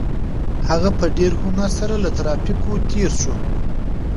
هغه په ډېر هنر سره له ترافیکو تېر شو.